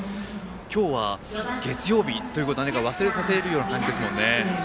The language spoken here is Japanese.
今日は月曜日ということを忘れさせる感じですね。